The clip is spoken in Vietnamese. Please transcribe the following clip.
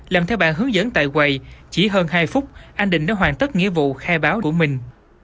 làm theo bà hướng dẫn tại quầy chỉ hơn hai phút anh định đã hoàn tất nghĩa vụ khai báo của mình